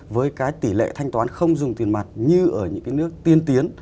với cái tỷ lệ thanh toán không dùng tiền mặt như ở những cái nước tiên tiến